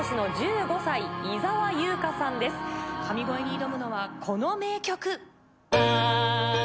神声に挑むのはこの名曲。